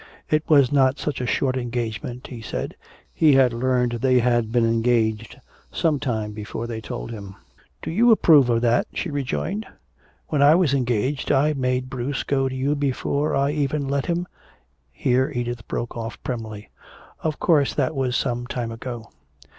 It was not such a short engagement, he said, he had learned they had been engaged some time before they told him. "Do you approve of that?" she rejoined. "When I was engaged, I made Bruce go to you before I even let him " here Edith broke off primly. "Of course that was some time ago.